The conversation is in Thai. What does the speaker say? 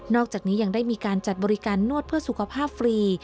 อกจากนี้ยังได้มีการจัดบริการนวดเพื่อสุขภาพฟรี